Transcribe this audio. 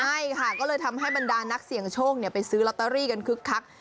ใช่ค่ะก็เลยทำให้บรรดานักเสี่ยงโชคไปซื้อลอตเตอรี่กันคึกคัก